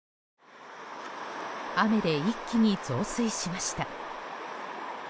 雨で一気に増水しました。